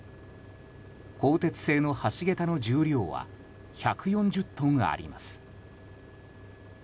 鋼鉄製の橋桁の重量は１４０トンあります。